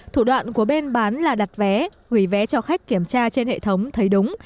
thủ đoạn của bên bán là đặt vé hủy vé cho khách kiểm tra trên hệ thống thấy đúng